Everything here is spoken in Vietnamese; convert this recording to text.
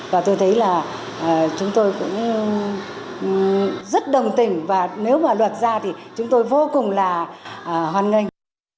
và tôi thấy là chúng tôi cũng rất đồng tình và nếu mà luật ra thì chúng tôi vô cùng là hoan nghênh